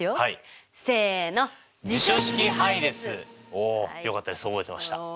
およかったです覚えてました。